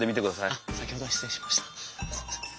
あっ先ほどは失礼しました。